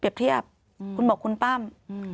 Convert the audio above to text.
เปรียบเทียบอืมคุณบอกคุณปั้มอืม